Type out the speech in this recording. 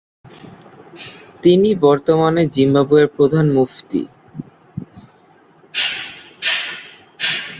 তিনি বর্তমানে জিম্বাবুয়ের প্রধান মুফতি।